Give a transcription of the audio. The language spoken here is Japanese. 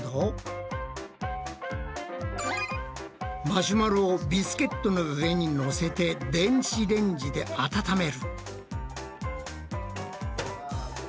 マシュマロをビスケットの上にのせて電子レンジで温める。